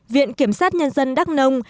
viện kiểm sát nhân dân đắc nông